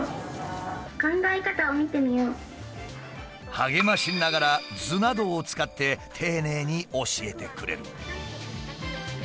励ましながら図などを使って丁寧に教えてくれる。